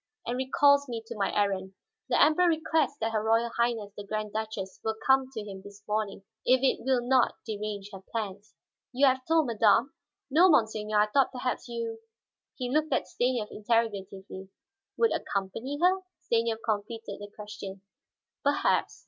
"And recalls me to my errand. The Emperor requests that her Royal Highness the Grand Duchess will come to him this morning, if it will not derange her plans." "You have told madame?" "No, monseigneur. I thought perhaps you " he looked at Stanief interrogatively. "Would accompany her?" Stanief completed the question. "Perhaps."